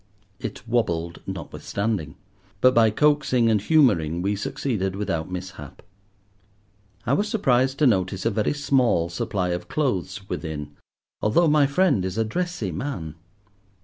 It wobbled notwithstanding, but by coaxing and humouring we succeeded without mishap. I was surprised to notice a very small supply of clothes within, although my friend is a dressy man.